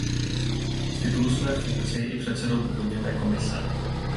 Z titulu své funkce je i předsedou Povodňové komise.